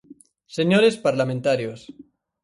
Señores parlamentarios.